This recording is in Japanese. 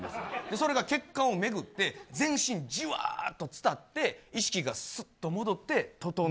それが血管を巡って全身に、じわっと伝って意識がすっと戻ってととのう。